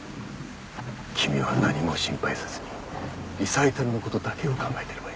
君は何も心配せずにリサイタルの事だけを考えていればいい。